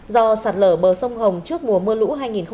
do sạt lở bờ sông hồng trước mùa mưa lũ